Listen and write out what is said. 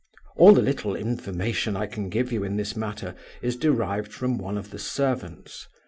"All the little information I can give you in this matter is derived from one of the servants.